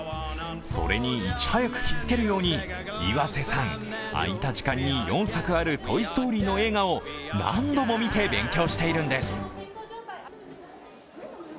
それにいち早く気付けるように岩瀬さん、空いた時間に４作ある「トイ・ストーリー」の映画を何度も見て勉強しているんです。